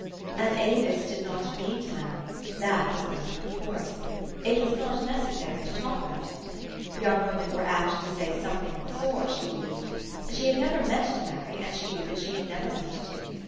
And Avis did not mean to marry : that was a matter of course. It was not necessary to talk about it : young women were apt to say something of the sort, she believed. She had never meant to many, and she knew that she had never meant to.